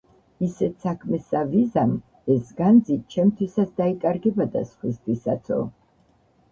"ისეთ საქმესა ვიზამ, ეს განძი ჩემთვისაც დაიკარგება და სხვისთვისაცო".